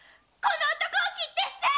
この男を切って捨てぃ！